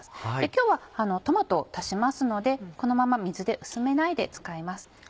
今日はトマトを足しますのでこのまま水で薄めないで使います。